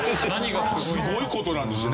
すごい事なんですね。